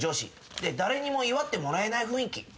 で誰にも祝ってもらえない雰囲気。